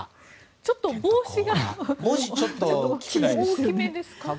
ちょっと帽子が大きめですか？